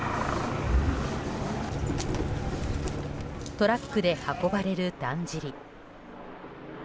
トラックで運ばれるだんじり。